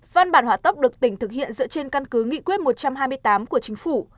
văn bản hỏa tốc được tỉnh thực hiện dựa trên căn cứ nghị quyết một trăm hai mươi tám của chính phủ